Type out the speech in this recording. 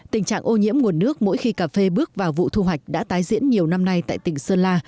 tình trạng ô nhiễm nguồn nước mỗi khi cà phê bước vào vụ thu hoạch đã tái diễn nhiều năm nay tại tỉnh sơn la